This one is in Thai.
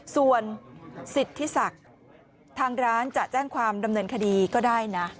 ส่วนสิทธิศักดิ์ทางร้านจะแจ้งความดำเนินคดีก็ได้นะ